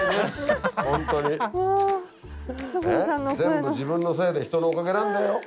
全部自分のせいで人のおかげなんだよ。